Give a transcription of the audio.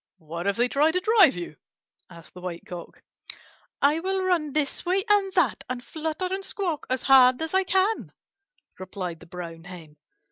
"What if they try to drive you?" asked the White Cock. "I will run this way and that, and flutter and squawk as hard as I can," replied the Brown Hen.